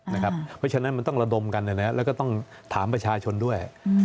เพราะฉะนั้นมันต้องระดมกันแล้วก็ต้องถามประชาชนด้วย